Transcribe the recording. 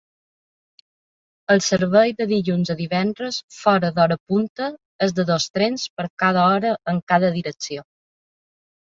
El servei de dilluns a divendres fora d'hora punta és de dos trens per hora en cada direcció.